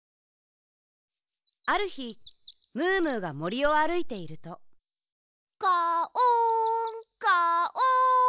あるひムームーがもりをあるいているとカオンカオン。